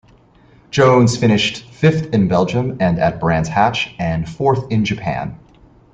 Jones finished fifth in Belgium and at Brands Hatch, and fourth in Japan.